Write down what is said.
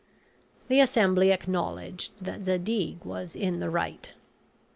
The assembly acknowledged that Zadig was in the right.